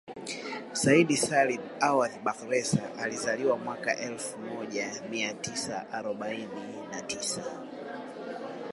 Said Salim Awadh Bakhresa alizaliwa mwaka elfu moja mia tisa arobaini na tisa